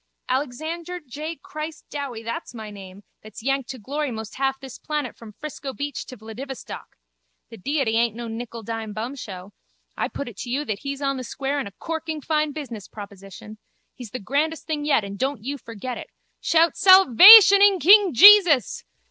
Alexander J Christ Dowie, that's my name, that's yanked to glory most half this planet from Frisco beach to Vladivostok. The Deity aint no nickel dime bumshow. I put it to you that He's on the square and a corking fine business proposition. He's the grandest thing yet and don't you forget it. Shout salvation in King Jesus.